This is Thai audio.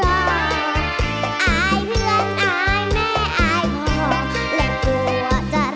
อายเพื่อนอายบุกรักนักวันต่างต่างรอ